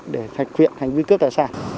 để thạch quyện hành vi cướp tài sản